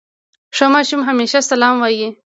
ښه ماشوم همېشه سلام وايي.